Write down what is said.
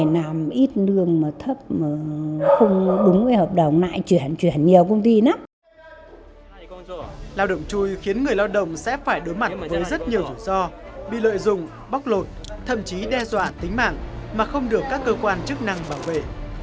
lao động chui khiến người lao động sẽ phải đối mặt với rất nhiều rủi ro bị lợi dụng bóc lột thậm chí đe dọa tính mạng mà không được các cơ quan chức năng bảo vệ